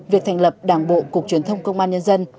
việc thành lập đảng bộ cục truyền thông công an nhân dân